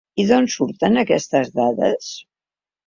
I d’on surten aquestes dades?